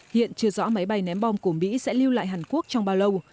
hiện chưa rõ máy bay ném bom của mỹ sẽ lưu lại hàn quốc trong bao lâu